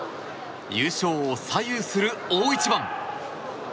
優勝を左右する大一番。